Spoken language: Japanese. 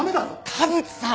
田淵さん！